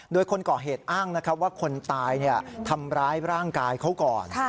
โดยคนก่อเหตุอ้างนะครับว่าคนตายทำร้ายร่างกายเขาก่อน